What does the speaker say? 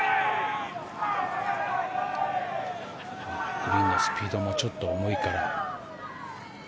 グリーンのスピードもちょっと重いから。